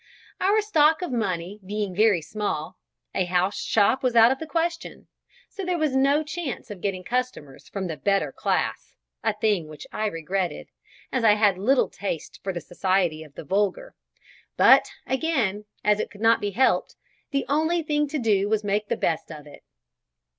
Our stock of money being very small, a house shop was out of the question, so there was no chance of getting customers from the better class, a thing which I regretted, as I had little taste for the society of the vulgar; but, again, as it could not be helped, the only thing to do was to make the best of it.